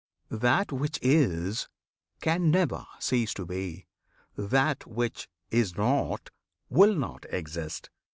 That which is Can never cease to be; that which is not Will not exist.